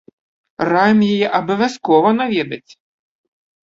Раім яе абавязкова наведаць!